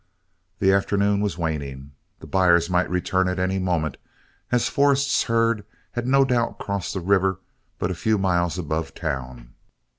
The afternoon was waning. The buyers might return at any moment, as Forrest's herd had no doubt crossed the river but a few miles above town.